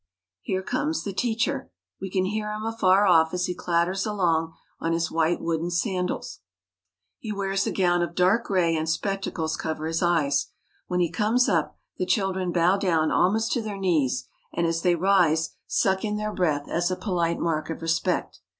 Here comes the teacher. We can hear him afar off as he clatters along on his white wooden sandals. He wears a gown of dark gray, and spectacles cover his eyes. When he comes up, the children bow down almost to their knees ; and, as they rise, suck in their breath as a polite mark of respect.